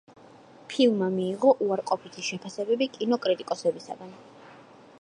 ფილმმა მიიღო უარყოფითი შეფასებები კინოკრიტიკოსებისგან.